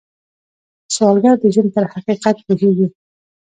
سوالګر د ژوند پر حقیقت پوهېږي